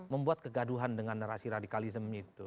membuat kegaduhan dengan narasi radikalisme itu